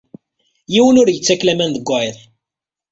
Yiwen ur yettak laman deg wayeḍ.